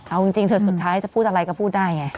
เอาจริงเถอะสุดท้ายจะพูดอะไรก็พูดได้ไง